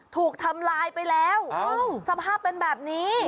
ถูกทำลายไปแล้วสภาพเป็นแบบนี้